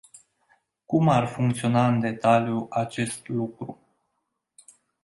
Cum ar funcționa în detaliu acest lucru?